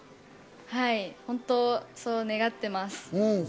はい、本当にそう願っています。